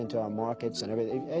aku harus mencari keseluruhan